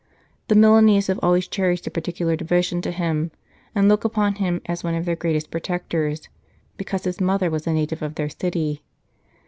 The Milanese have always cherished a particular devotion to him, and look upon him as one of their greatest protectors, because his mother was a native of 153 St. Charles Borromeo their city.